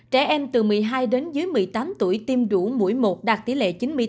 trẻ em từ một mươi hai đến dưới một mươi tám tuổi tiêm đủ mũi một đạt tỷ lệ chín mươi bốn